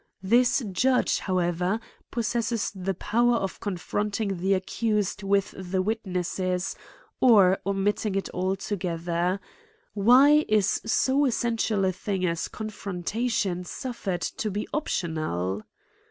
This judge, how ever, possesses the power of confronting the ac cused with the witnesses, or omitting it altoge ther*. — Why is so essential a thing as confron tation suffered to be optional